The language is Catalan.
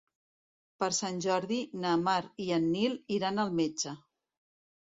Per Sant Jordi na Mar i en Nil iran al metge.